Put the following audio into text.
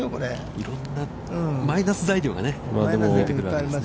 いろんなマイナス材料が出てくるわけですね。